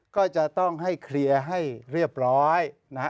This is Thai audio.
ก็จะต้องให้เคลียร์ให้เรียบร้อยนะฮะ